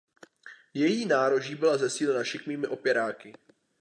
Její nároží byla zesílena šikmými opěráky.